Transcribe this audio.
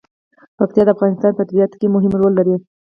پکتیا د افغانستان په طبیعت کې مهم رول لري.